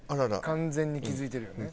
完全に気付いてるよね。